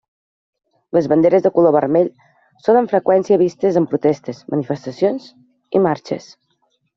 Les banderes de color vermell són amb freqüència vistes en protestes, manifestacions i marxes.